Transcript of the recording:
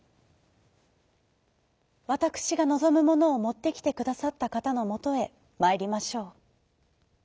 「わたくしがのぞむものをもってきてくださったかたのもとへまいりましょう。